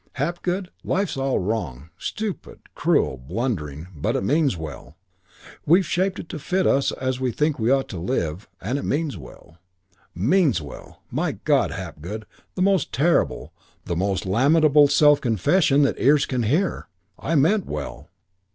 Hapgood, life's all wrong, stupid, cruel, blundering, but it means well. We've shaped it to fit us as we think we ought to live and it means well. Means well! My God, Hapgood, the most terrible, the most lamentable self confession that ears can hear "I meant well."